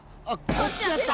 こっちだった。